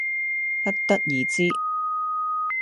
不得而知